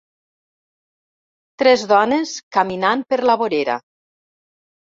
Tres dones caminant per la vorera